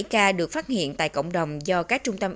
một trăm sáu mươi bảy ca được phát hiện tại cộng đồng do các trung tâm